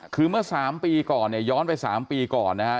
คือเมื่อสามปีก่อนเนี่ยย้อนไปสามปีก่อนนะครับ